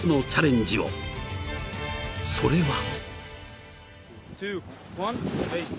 ［それは］